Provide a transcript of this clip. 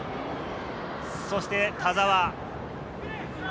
そして田澤。